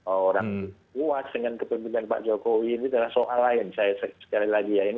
orang puas dengan kepentingan pak jokowi ini adalah soal lain